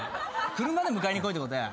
車で迎えに来いってことや。